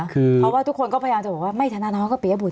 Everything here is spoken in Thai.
เพราะว่าทุกคนก็พยายามจะบอกว่าไม่ธนาวก็ปียบุต